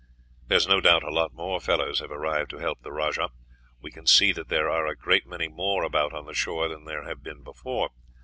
There is no doubt a lot more fellows have arrived to help the rajah; we can see that there are a great many more about on the shore than there have been before.